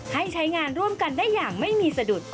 ให้ใช้งานร่วมกันได้อย่างไม่มีสะดุด